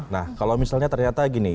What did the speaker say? nah kalau misalnya ternyata gini